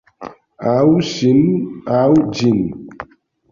Aŭ... ŝin, aŭ ĝin.